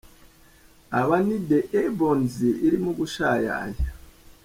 Aba ni "The Ebonies" irimo gushayaya.